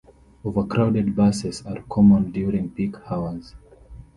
Overcrowded buses are common during peak hours.